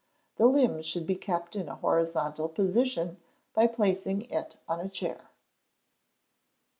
The limb should be kept in a horizontal position by placing it on a chair.